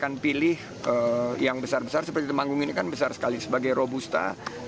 memilih yang besar besar seperti temanggung ini kan besar sekali sebagai robusta